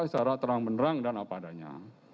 secara terang benerang dan apa adanya